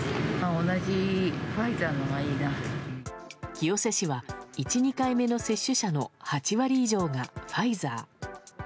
清瀬市は１２回目の接種者の８割以上がファイザー。